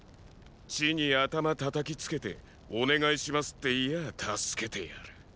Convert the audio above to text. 地に頭叩きつけて「お願いします」って言やァ助けてやる。